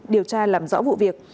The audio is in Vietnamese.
điều tra làm rõ vụ việc